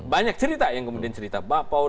banyak cerita yang kemudian cerita bakpao